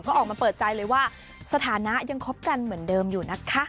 ก็ออกมาเปิดใจเลยว่าสถานะยังคบกันเหมือนเดิมอยู่นะคะ